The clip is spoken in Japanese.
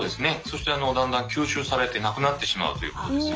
そしてだんだん吸収されて無くなってしまうということですよね。